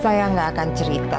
saya gak akan cerita